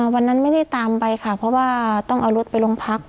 วันนั้นไม่ได้ตามไปค่ะเพราะว่าต้องเอารถไปโรงพัก